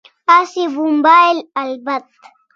Asi mobile albat